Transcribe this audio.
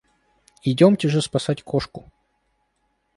Идемте же спасать кошку!